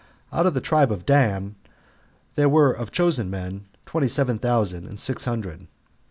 Out of the tribe of Dan there were of chosen men twenty seven thousand and six hundred.